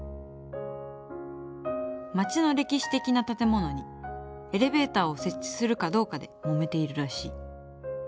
町の歴史的な建物にエレベーターを設置するかどうかでもめているらしい。